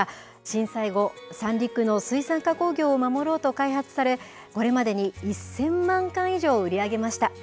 震災後、三陸の水産加工業を守ろうと開発され、これまでに１０００万缶以上売り上げました。